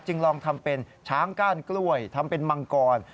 ลองทำเป็นช้างก้านกล้วยทำเป็นมังกร